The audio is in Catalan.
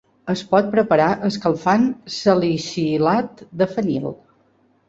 Es pot preparar escalfant salicilat de fenil.